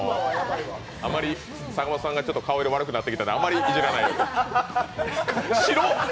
阪本さんがちょっと顔色悪くなってきたので、あまりいじらないように。